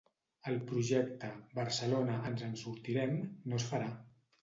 El projecte ‘Barcelona, ens en sortirem’ no es farà.